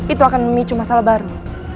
itu akan memicu masalah baru